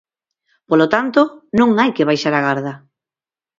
Polo tanto, non hai que baixar a garda.